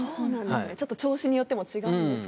ちょっと調子によっても違うんですかね。